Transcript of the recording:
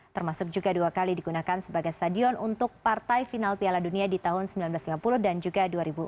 termasuk juga dua kali digunakan sebagai stadion untuk partai final piala dunia di tahun seribu sembilan ratus lima puluh dan juga dua ribu dua puluh